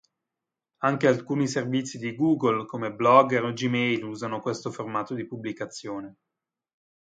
Anche alcuni servizi di Google, come Blogger o Gmail, usano questo formato di pubblicazione.